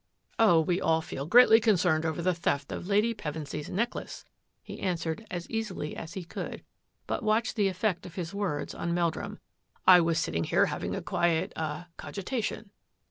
" Oh, we all feel greatly concerned over th theft of Lady Pevensy's necklace," he answerec as easily as he could, but watched the effect of } words on Meldrum. " I was sitting here having quiet — ah — cogitation."